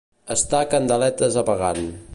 Estar candeletes apagant.